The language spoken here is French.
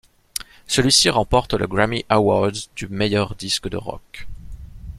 Celui-ci remporte le Grammy Awards du meilleur disque de rock.